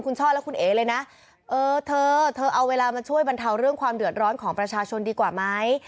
คุณช่อและคุณเอ๋เลยนะเออเธอเธอเอาเวลามาช่วยบรรเทาเรื่องความเดือดร้อนของประชาชนดีกว่าไหม